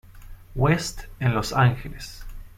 West" en Los Ángeles.